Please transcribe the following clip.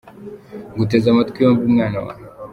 Nguteze amatwi yombi mwana wa!